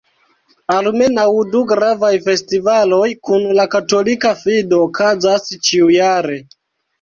Almenaŭ du gravaj festivaloj kun la katolika fido okazas ĉiujare.